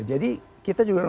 jadi kita juga